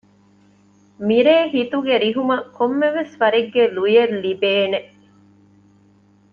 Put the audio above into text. މިރޭ ހިތުގެ ރިހުމަށް ކޮންމެވެސް ވަރެއްގެ ލުޔެއް ލިބޭނެ